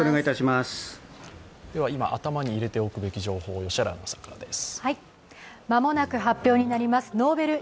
今、頭に入れておくべき情報を良原アナウンサーからです。